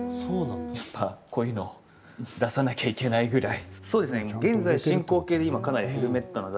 やっぱこういうのを出さなきゃいけないぐらい？